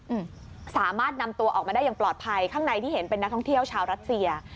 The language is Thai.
อืมสามารถนำตัวออกมาได้อย่างปลอดภัยข้างในที่เห็นเป็นนักท่องเที่ยวชาวรัสเซีย